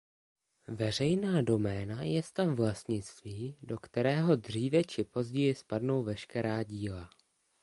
Veřejná doména je stav vlastnictví, do kterého dříve či později spadnou veškerá díla.